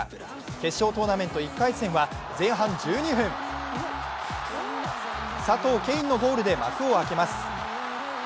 決勝トーナメント１回戦は前半１２分、佐藤恵允のゴールで幕を開けます。